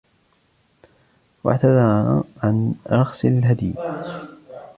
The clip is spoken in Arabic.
وأعتذر عن رخصِ الهدي